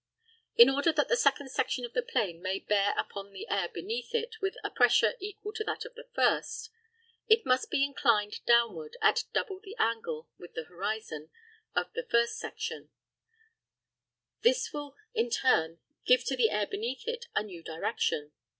In order that the second section of the plane may bear upon the air beneath it with a pressure equal to that of the first, it must be inclined downward at double the angle (with the horizon) of the first section; this will in turn give to the air beneath it a new direction.